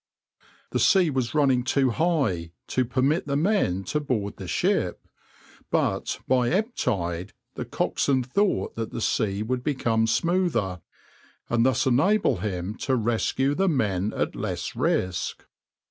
The sea was running too high to permit the men to board the ship, but by ebb tide the coxswain thought that the sea would become smoother, and thus enable him to rescue the men at less risk.